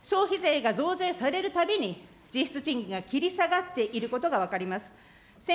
消費税が増税されるたびに、実質賃金が切り下がっていることが分かります。